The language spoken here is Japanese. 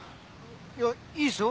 いやいいっすよ。